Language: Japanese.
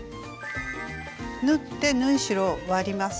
縫って縫い代を割ります。